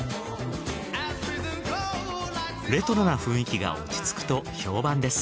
レトロな雰囲気が落ち着くと評判です。